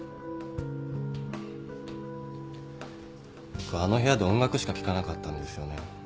僕あの部屋で音楽しか聴かなかったんですよね。